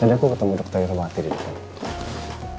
tadi aku ketemu dokter yang ramah hati di depan